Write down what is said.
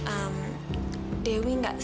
ehm dewi gak sengaja